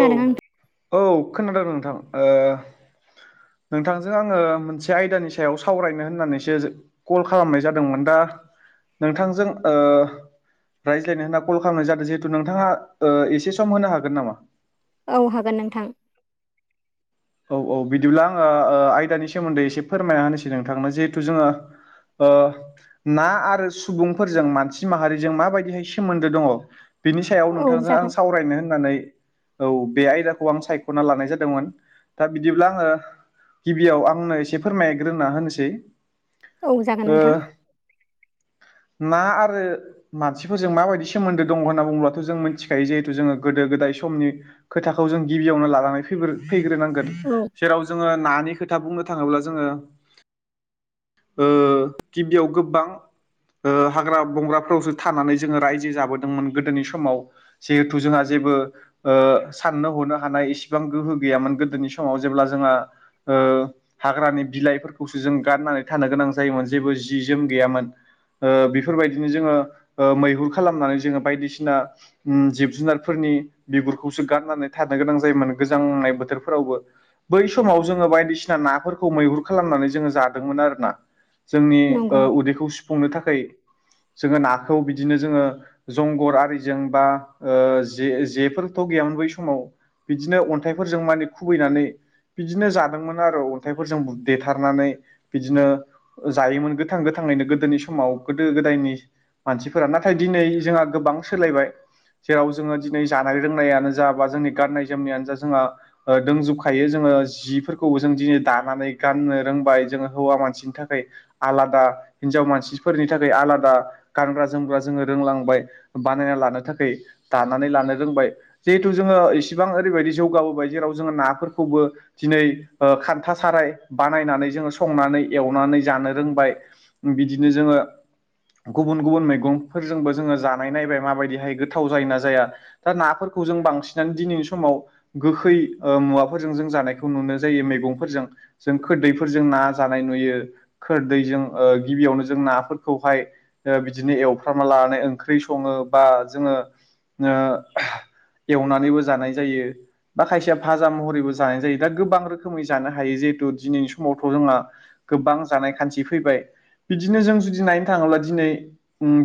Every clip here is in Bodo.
औ नोंथां? औ खोनादों नोंथां नोंथांजों आङो मोनसे आयदानि सायाव सावरायनो होननानैसो कल खालामनाय जादोंमोन दा नोंथांजों रायज्लायनो होनना कल खालामनाय जादों जिहेथु नोंथाङा एसे सम होनो हागोन नामा औ हागोन नोंथां औ औ बिदिब्ला आङो आयदानि सोमोन्दै एसे फोरमायना होनोसै नोंथांनो जिहेथु जोङो अ ना आरो सुबुंफोरजों मानसि माहारिजों माबायदिहाय सोमोन्दो दङ बिनि सायाव औ नोंथांजों आं जागोन सावरायनो होननानै औ बे आयदाखौ आं सायख'ना लानाय जादोंमोन दा बिदिब्ला आङो गिबियाव आंनो एसे फोरमायग्रोना होनोसै औ जागोन नोंथां। ना आरो मानसिफोरजों माबायदि सोमोन्दो दङ होनना बुङोब्लाथ' जों मिथिखायो जिहेथु जोङो गोदो गोदाय समनि खोथाखौ जों गिबियावनो लानानै फ फैग्रोनांगोन। औ जेराव जोङो नानि खोथा बुंनो थाङोब्ला जोङो। गिबियाव गोबां। हाग्रा बंग्राफोरावसो थानानै जोङो रायजो जाबोदोंमोन गोदोनि समाव। जिहेथु जोंहा जेबो साननो हनो हानाय इसिबां गोहो गैयामोन गोदोनि सम। समाव जेब्ला जोंहा। हाग्रानि बिलाइफोरखौसो जों गाननानै थानो गोनां जायोमोन जेबो जि जोम गैयामोन। बेफोरबायदिनो जोङो मैहुर खालामनानै जोङो बायदिसिना। जिब जुनारफोरनि बिगुरखौसो गारनानै थानो गोनां जायोमोन गोजांनाय बोथोरफोरावबो। बै समाव जोङो बायदिसिना नाफोरखौ मैहुर खालामनानै जोङो जादोंमोन आरोोना। जोंनि नंगौ उदैखौ सुफुंनो थाखाय जोङो नाखौ बिदिनो जोङो। जंगर आरिजों बा जे जेफोरथ' गैयामोन बै समाव। बिदिनो अन्थाइफोरजों माने खुबैनानै। बिदिनो जादोंमोन आरो अन्थाइफोरजों देथारनानै बिदिनो। जायोमोन गोथां गोथाङैनो गोदोनि समाव गोदो गोदायनि। मानसिफोरा नाथाय दिनै जोंहा गोबां सोलायबाय। जेराव जोंङो दिनै जानाय रोंनायानो जा बा जोंनि गाननाय जोमनायानो जा जोंहा दोंजु खायो जोंङो जिफोरखौबो जों दिनै दानानै गाननो रोंबाय जोंङो हौवा मानसिनि थाखाय। आलादा हिनजाव मानसिफोरनि थाखाय आलादा। गानग्रा जोमग्रा जोंङो रोंलांबाय बानायना लानो थाखाय। दानानै लानो रोंबाय जिहेथु जोंङो इसिबां ओरैबायदि जौगाबोबाय जेराव जोङो नाफोरखो खौबो दिनै खान्था ओ साराय। बानायनानै जोंङो संनानै एवनानै जानो रोंबाय बिदिनो जोंङो। गुबुन गुबुन मैगंफोरजोंबो जोंङो जानाय नायबाय माबायदिहाय गोथाव जायो ना जाया। दा नाफोरखौ जों बांसिनानो दिनैनि समाव गोखै ओ मुवा। फोरजों जों जानायखौ नुनो जायो मैगंफोरजों जों खोदैफोरजों ना जानाय नुयो। खोरदैैजों ओ गिबियावनो जों नाफोरखौहाय। बिदिनो एवफ्रामना लानानै ओंख्रि संङो बा जोंङो। ओ एवनानैबो जानाय जायो बा खायसेया भाजा महर। बैबो जानाय जायो दा गोबां रोखोमै जानो हायो जिहेथु दिनैनि समावथ' जोंहा गोबां जानाय खान्थि फैबाय बिदिनो जों जुदि नायनो थांङोब्ला दिनै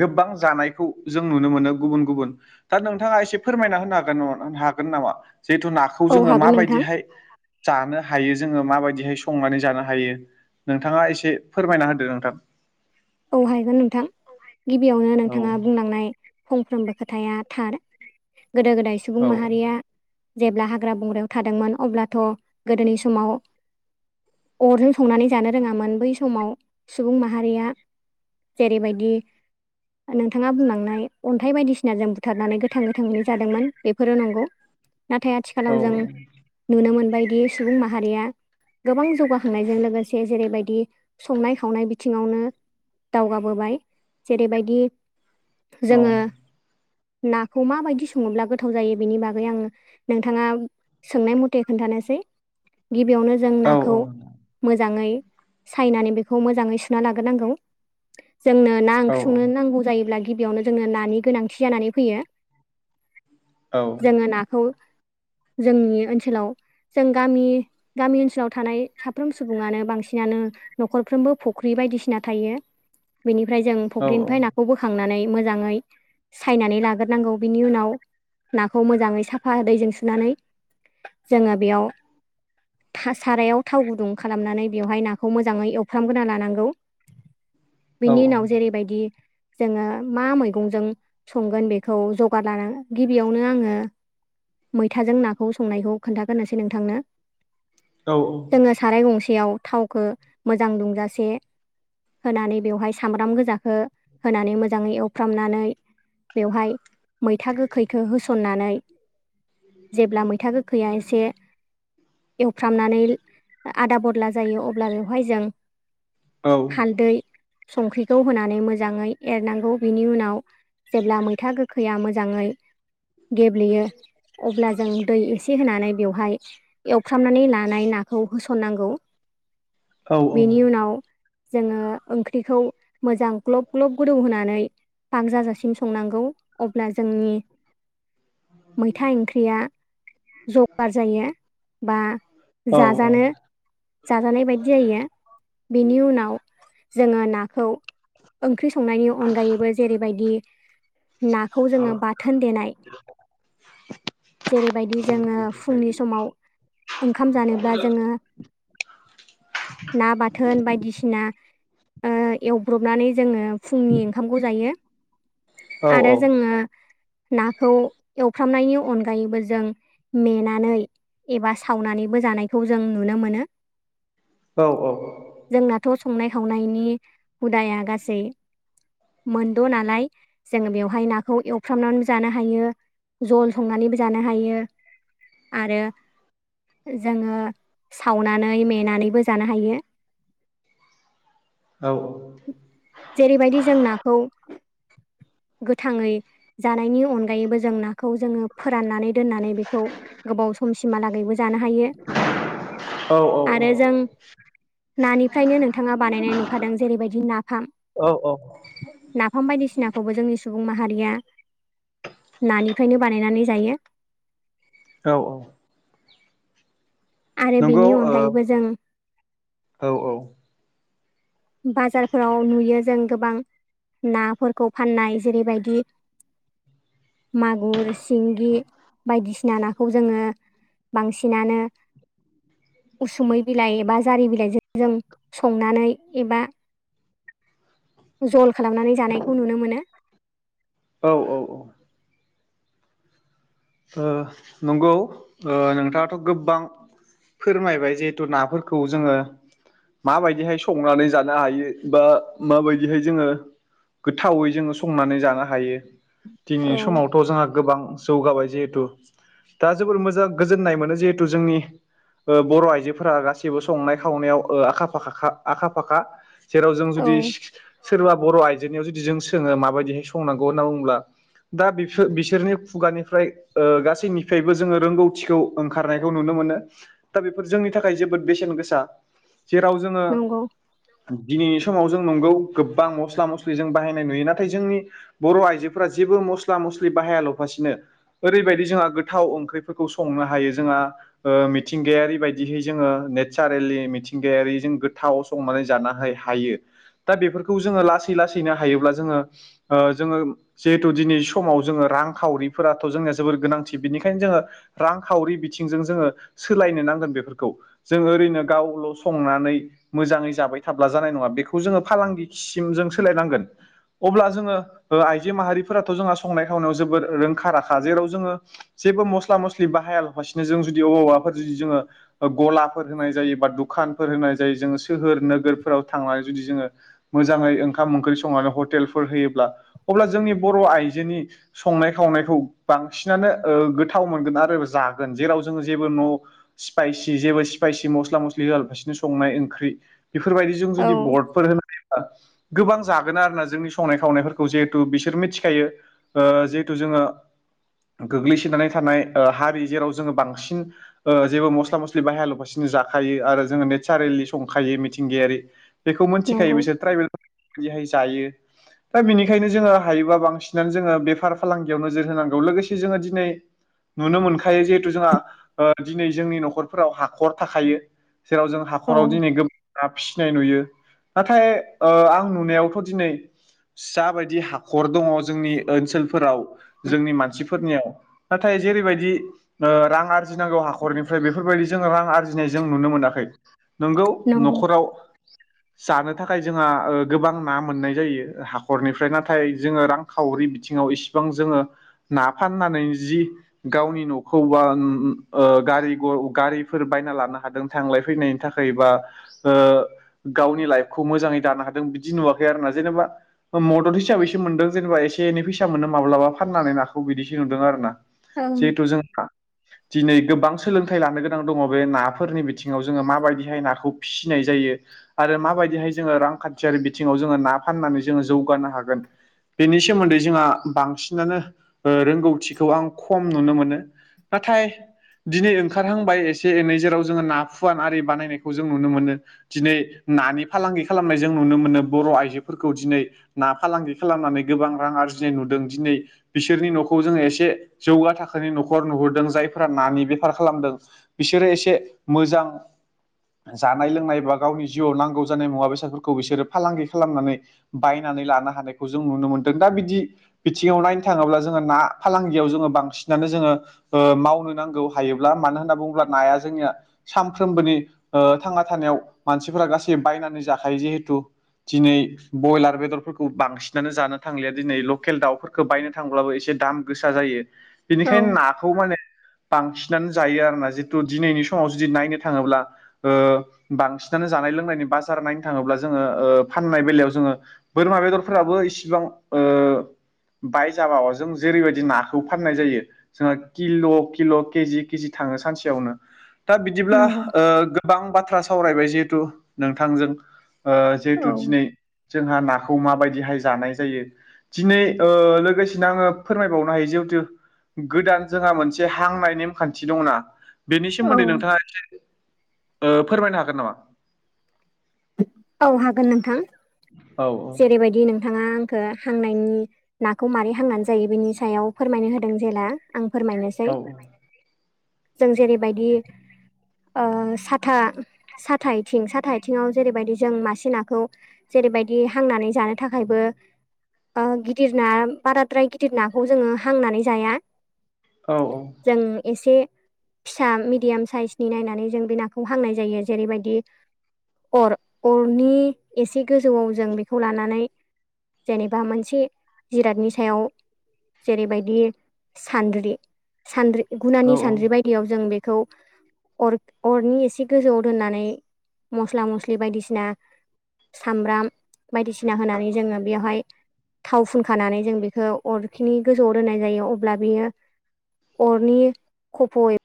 गोबां जानायखौ जों नुनो मोनो गुबुन गुबुन। दा नोंथांङा एसे फोरमायना होनो हागोन हागोन नामा जिहेथु नाखौ औ जोंङो हागोन माबायदि। नोंथां जानो हायो जोंङो माबायदिहाय संनानै जानो हायो। नोंथांङा एसे फोरमायना होदो नोंथां। औ हायगोन नोंथां गिबियावनो औ नोंथाङा बुंलांनाय। फंफ्रोमबो खोथाया थार गोदो गोदाय सुबुं औ माहारिया। जेब्ला हांग्रा बंग्रायाव थादोंमोन अब्लाथ' गोदोनि समाव। अरजों संनानै जानो रोङामोन बै समाव सुबुं माहारिया। जेरैबायदि। नोंथाङा बुंलांनाय अन्थाइ बायदिसिना जों बुथारनानै गोथां गोथांङैनो जादोंमोन बेफोरो नंगौ। नाथाय औ आथिखालाव जों नुनो मोनबायदि सुबुं माहारिया। गोबां जौगाखांनायजों लोगोसे जेरैबायदि संनाय खावनाय बिथिंङावनो। दावगाबोबाय जेरैबायदि औ जोंङो। नाखौ माबायदि सङोब्ला गोथाव जायो बेनि बागै आंङो नोंथाङा। सोंनाय मथे खोन्थानोसै गिबियावनो जों औ नाखौ। मोजाङै सायनानै बेखौ मोजाङै सुना लाग्रोनांगौ। जोंनो ना औ ओंख्रि संनो नांगौ जायोब्ला गिबियावनो जोंनो नानि गोनांथि जानानै फैयो। औ। जोंङो नाखौ जोंनि ओनसोलाव जों गामि। गामि ओनसोलाव थानाय साफ्रोम सुबुङानो बांसिनानो न'खरफ्रोमबो फुख्रि बायदिसिना थायो। बेनिफ्राय जों औ फुख्रिनिफ्राय नाखौ बोखांनानै मोजांङै सायनानै लाग्रोनांगौ बिनि उनाव नाखौ मोजाङै साफा दैजों सुनानै जोंङो बेयाव सारायाव थाव गुदुं खालामनानै बेवहाय नाखौ मोजाङै एवफ्रामबोना लानांगौ औ बिनि औ उनाव जेरैबायदि जोंङो मा मैगंजों संगोन बेखौ जगार लानानै गिबियावनो आंङो मैथाजों नाखौ संनायखौ खोन्थागोनोसै नोंथांनो औ औ जोंङो साराय गंसेयाव थावखौ मोजां दुंजासे होनानै बेवहाय सामब्राम गोजाखौ होनानै मोजाङै एवफ्रामनानै बेवहाय मैथा गोखैखौ होसननानै जेब्ला मैथा गोखैया एसे एवफ्रामनानै आदा बदला जायो अब्ला बेवहाय जों हालदै संख्रिखौ होनानै मोजाङै एरनांगौ बिनि उनाव जेब्ला मैथा गोखैया मोजांङै गेब्लेयो अब्ला जों दै एसे होनानै बेवहाय एवफ्रामनानै लानाय नाखौ होसननांगौ। बेनि उनाव जोङो ओंख्रिखौ मोजां ग्लब ग्लब गोदौ होनानै पाक जाजासिम संनांगौ अब्ला जोंनि मैथा ओंख्रिया जगार जायो बा जाजानो जाजानाय बायदि जायो बेनि उनाव जोङो नाखौ ओंख्रि संनायनि अनगायैबो जेरैबायदि नाखौ जोङो बाथोन देनाय जेरैबायदि जोङो फुंनि समाव ओंखाम जानोब्ला जोङो ना बाथोन बायदिसिना ओ एवब्रबनानै जोङो फुंनि ओंखामखौ जायो आरो जोंङो नाखौ एवफ्रामनायनि अनगायैबो जों मेनानै एबा सावनानैबो जानायखौ जों नुनो मोनो। औ औ। जोंनाथ' संनाय खावनायनि हुदाया गासै मोनद' नालाय जोङो बेवहाय नाखौ एवफ्रामनानै जानो हायो। जल संनानैबो जानो हायो आरो जोङो सावनानै मेनानैबो जानो हायो। औ औ। जेरैबायदि जों नाखौ गोथाङै जानायनि अनगायैबो जों नाखौ जोङो फोराननानै दोननानै बेखौ गोबाव समसिमहालागैबो जानो हायो औ आरो जों नानि फ्रायनो नोंथाङा बानायनाय नुखादों जेरैबायदि नाफाम। औ नाफाम बायदिसिनाखौबो जोंनि सुबुं माहारिया नानिफ्रायनो बानायनानै जायो। औ औ। आरो नंगौ बेनि ओ अनगायैबो जों औ औ। बाजारफोराव नुयो जों गोबां नाफोरखौ फाननाय जेरैबायदि मागुर सिंगि बायदिसिना नाखौ जोङो बांसिनानो उसुमै बिलाइ एबा जारि बिलाइजों जों संनानै एबा जल खालामनानै जानायखौ नुनो मोनो। औ औ औ। ओ नंगौ ओ नोंथाङाथ' गोबबां फोरमायबाय जिहेथु नाफोरखौ जोङो माबायदिहाय संनानै जानो हायो बा माबायदिहाय जोङो गोथावै जोङो संनानै जानो हायो। दिनै औ समावथ' जोंहा गोबां जौगाबाय जिहेथु दा जोबोर मोजां गोजोननाय मोनो जिहेथु जोंनि ओ बर' आइजोफोरा गासिबो संनाय खावनायाव ओ आखा फाखाखा आखा फाखा जेराव जों औ जुदि सोरबा बर' आइजोनियाव जुदि जों सोङो माबायदिहाय संनांगौ होनना बुङोब्ला दा बिफो बिसोरनि खुगानिफ्राय ओ गासैनिफ्रायबो जोङो रोंगौथिखौ ओंखारनायखौ नुनो मोनो। दा बेफोर जोंनि थाखाय जोबोद बेसेन गोसा जेराव जोङो नंगौ दिनैनि समाव जों नंगौ गोबबां मस्ला मस्लि जों बाहायनाय नुयो। नाथाय जोंनि बर' आइजोफोरा जेबो मस्ला मस्लि बाहाया ल'फासिनो ओरैबायदि जोंहा गोथाव ओंख्रिफोरखौ संनो हायो जोङा ओ मिथिंगायारि बायदिहै जोङो नेचचारेलि मिथिंगायारि जों गोथाव संनानै जानो हाय हायो। दा बेफोरखौ जोङो लासै लासैनो हायोब्ला जोङो ओ जोङो जिहेथु दिनै समाव जोङो रांखावरिफोरा थ' जोंनिया जोबोर गोनांथि बिनिखायनो जोङो रांखावरि बिथिंजों जोङो सोलायनो नांगोन बेफोरखौ जों ओरैनो गावल' संनानै मोजाङै जाबाय थाब्ला जानाय नङा बेखौ जोङो फालांगिसिम जों सोलायनांगोन अब्ला जोङो आइजो माहारिफोराथ' जोंहा संनाय खावनायाव जोबोद रोंखा राखा जेराव जोङो जेबो मस्ला मस्लि बाहायालाबासिनो जों जदि अबाावबाफोर जुदि जोङो गलाफोर होनाय जायो बा दुखानफोर होनाय जायो जोङो सोहोर नोगोरफोराव थांनानै जुदि जोङो मोजाङै ओंखाम ओंख्रि संनानै हटेलफोर होयोब्ला अब्ला जोंनि बर' आइजोनि संनाय खावनायखौ बांसिनानो ओ गोथाव मोनगोन आरो जागोन जेराव जोङो जेबो न' स्पायसि जेबो स्पायसि मस्ला मस्लि होल फारसेनो संनाय ओंख्रि बेफोरबायदिजों जुदि औ बर्डफोर होनानै ओ गोबां जागोन आरोना जोंनि संनाय खावनायफोरखौ जिहेथु बिसोर मिथिखायो जिहेथु जोङो गोग्लैसोनानै थानाय हारि जेराव जोङो बांसिन ओ जेबो मस्ला मस्लि बाहायालाबासिनो जाखायो आरो जोङो नेसारेलि संखायो मिथिंगायारि बेखौ मिथिखायो नंगौ बिसोर ट्राइबेल बिदिहाय जायो दा बेनिखायनो जोङो हायोबा बांसिनानो जोङो बेफार फालांगियाव नोजोर होनां औ लोगोसे जोङो दिनै नुनो मोनखायो जिहेथु जोंहा ओ दिनै जोंनि न'खरफोराव हाखर थाखायो जेराव जों औ हाखराव दिनै गो दा फिसिनाय नुयो नाथाय ओ आं नुनायावथ' दिनै जाबायदि हाखर दङ जोंनि ओनसोलफोराव जोंनि मानसि फोरनियाव नाथाय जेरैबायदि रां आरजिनांगौ हाखरनिफ्राय बेफोरबायदि जो रां आरजिनाय जों नुनो मोनाखै नोंगौ नंगौ न'खराव [inaudible] जानो थाखाय जोंहा गोबां ना मोननाय जायो हाखरनिफ्राय नाथाय जोङो रां खावरि बिथिङाव इसिबां जोङो ना फाननानै जि गावनि न'खौ बा ओ गारि गारिफोर बायना लानो हादों थांलाय फैनायनि थाखाय बा ओ गावनि लाइफखौ मोजाङै दानो हादों बिदि नुवाखै आरोना जेनेबा ओ हिसाबैसो मोनदों जेनेबा एसे एनैसा मोनो माब्लाबा फाननानै ना खौ बिदिसो नुदों आरोना औ जिहेथु जोंहा दिनै गोबां सोलोंथाइ लानो गोनां दङ बे नाफोरनि बिथिङाव जोङो माबायदिहाय नाखौ फिसिनाय जायो आरो माबायदिहाय जोङो रांखान्थियारि बिथिङाव जोङो ना फाननानै जोङो जौगानो हागोन बेनि सोमोन्दै जोंहा बांसिनानो ओ रोंगौथिखौ आं खम नुनो मोनो नाथाय दिनै ओंखारहांबाय एसे एनै जेराव जोङो ना फुवान आरि बानायनायखौ जों नुनो मोनो दिनै नानि फालांगि खालामनाय जों नुनो मोनो बर' आइजोफोरखौ दिनै ना फालांगि खालामनानै गोबां रां आरजिनाय नुदों दिनै बिसोरनि न'खौ जोङो एसे जौगा थाखोनि न'खर नुहुरदों जायफोरा नानि बेफार खालामदों बिसोरो एसे मोजां जानाय लोंनाय एबा गावनि जिउआव नांगौ जानाय मुवा बेसादफोरखौ बिसोरो फालांगि खालामनानै बायनानै लानो हानायखौ जों नुनो मोनदों दा बिदि बिथिङाव नाय थाङोब्ला जोङो ना फालांगियाव जोङो बांसिनानो जोङो मावनो नांगौ हायोब्ला मानो होनना बुङोब्ला नाया जोंनिया सानफ्रोमबोनि थांना थानायाव मानसिफोरा गासै बायनानै जाखायो जिहेथु दिनै बयलार बेदरफोरखौ बांसिनानो जानो थांलिया दिनै लकेल दाउफोरखौ बायनो थांब्लाबो एसे दाम गोसा जायो औ बेनिखायनो नाखौ माने बांसिनानो जायो आरोना जितु दिनैनि समाव जुदि नायनो थाङोब्ला ओ बांसिनानो जानाय लोंनायनि बाजार नायनो थाङोब्ला जोङो ओ फाननाय बेलायाव जोङो बोरमा बेदरफोराबो इसिबां ओ बाय जाबाबो जों जेरैबायदि नाखौ फाननाय जायो। जोंहा किल' किल' केजि केजि थाङो सानसेयावनो दा बिदिब्ला नंगौ ओ गोबां बाथ्रा सावरायबाय जिहेथु नोंथांजों। ओ जिहेथु औ दिनै जोंहा नाखौ माबायदिहाय जानाय जायो दिनै ओ लोगोसेनो आङो फोरमायबावनो हायो जिहेतु गोदान जोंहा मोनसे हांनाय नेमखान्थि दंना। बेनि सोमोन्दै औ नोंथाङा एसे ओ फोरमायनो हागोन नामा? औ हागोन नोंथां औ जेरैबायदि दि नोंथाङा आंखो हांनायनि नाखौ मारै हांनानै जायो बेनि सायाव फोरमायनो होदों जेला आं फोरमायनोसै औ जों जेरैबायदि ओ साथा साथा आइथिं साथा आइथिं बिङाव जेरैबायदि जों मासे नाखौ जेरैबायदि हांनानै जानो थाखायबो ओ गिदिर ना बाराद्राय गिदिर नाखौ जोङो हांनानै जाया। औ -औ। जों एसे फिसा मिडियाम साइसनि नायनानै जों बे नाखौ हांनाय जायो जेरैबायदि अर अरनि एसे गोजौआव जों बेखौ लानानै जेनेबा मोनसे जिरादनि सायाव जेरैबायदि सानद्रि सानद्रि गुनानि औ औ सानद्रि बायदियाव जों बेखौ अर अरनि एसे गोजौआव दोननानै मस्ला मस्लि बायदिसिना सामब्राम बायदिसिना होनानै जोङो बेयावहाय थाव फुनखानानै जों बेखौ अरखिनि गोजौआव दोननाय जायो अब्ला बियो अरनि खफ'